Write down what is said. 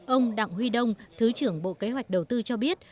ông đặng huy đông thứ trưởng bộ kế hoạch đầu tư cho biết